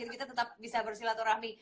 kita tetap bisa bersilaturahmi